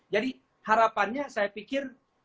jadi harapannya saya pikir